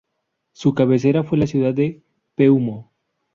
Su cabecera fue la ciudad de Peumo.